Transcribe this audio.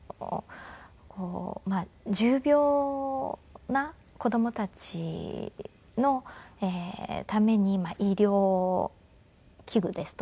重病な子供たちのために医療器具ですとか